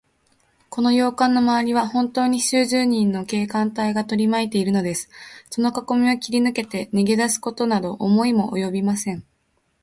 この洋館のまわりは、ほんとうに数十人の警官隊がとりまいているのです。そのかこみを切りぬけて、逃げだすことなど思いもおよびません。